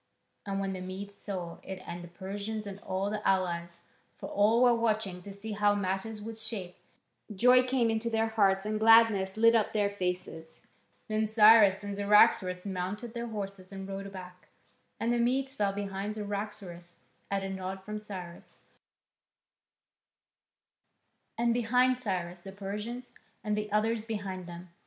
And when the Medes saw it and the Persians and all the allies for all were watching to see how matters would shape joy came into their hearts and gladness lit up their faces. Then Cyrus and Cyaxares mounted their horses and rode back, and the Medes fell in behind Cyaxares, at a nod from Cyrus, and behind Cyrus the Persians, and the others behind them.